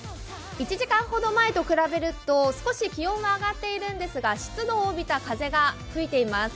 １時間ほど前と比べると少し気温は上がっているんですが湿度を帯びた風が吹いています。